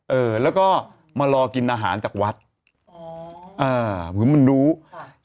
เออแล้วก็มารอกินอาหารจากวัดอ๋ออ่าคือมันรู้ค่ะ